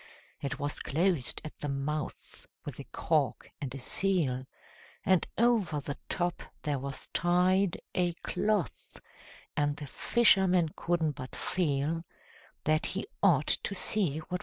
It was closed at the mouth with a cork and a seal, And over the top there was tied A cloth, and the fisherman couldn't but feel That he ought to see what was inside.